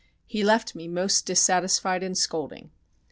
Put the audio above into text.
He left me most dissatisfied and scolding."